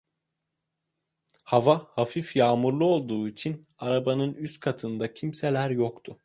Hava hafif yağmurlu olduğu için, arabanın üst katında kimseler yoktu.